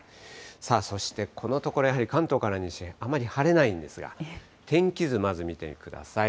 さあ、そしてこのところやはり、関東から西、あまり晴れないんですが、天気図、まず見てください。